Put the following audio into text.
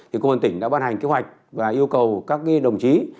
thì công an tỉnh đã ban hành kế hoạch và yêu cầu các đồng chí